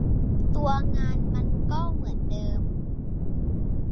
ตัวงานมันก็เหมือนเดิม